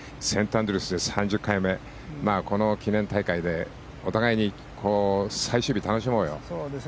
１５０回セントアンドリュースで３０回目この記念大会でお互いに最終日楽しもうよ。